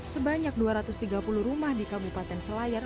sebanyak dua ratus tiga puluh rumah di kabupaten selayar